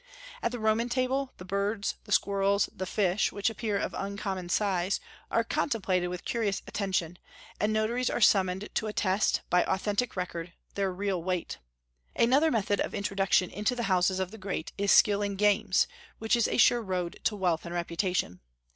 At the Roman table the birds, the squirrels, the fish, which appear of uncommon size, are contemplated with curious attention, and notaries are summoned to attest, by authentic record, their real weight. Another method of introduction into the houses of the great is skill in games, which is a sure road to wealth and reputation.